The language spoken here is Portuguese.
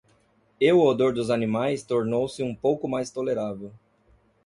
E o odor dos animais tornou-se um pouco mais tolerável.